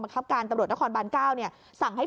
สักพักขึ้นกันนี้๒นาทีแล้วเขาก็ขึ้นรถกลับ